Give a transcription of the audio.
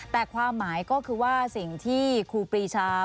แต่ความหมายก็คือว่าสิ่งที่ครูปรีชา